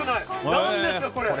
何ですか、これ！